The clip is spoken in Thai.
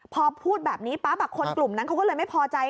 พอพูดแบบนี้ปั๊บคนกลุ่มนั้นเขาก็เลยไม่พอใจ